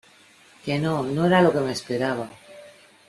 que no, no era lo que me esperaba.